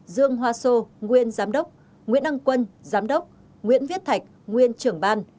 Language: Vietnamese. dương hoa sô nguyên giám đốc nguyễn ân quân giám đốc nguyễn viết thạch nguyễn trưởng ban